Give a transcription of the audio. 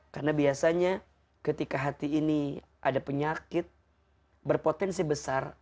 karena biasanya ketika hati ini ada penyakit berpotensi besar